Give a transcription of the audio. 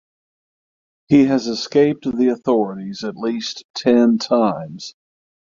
He has escaped the authorities at least ten times.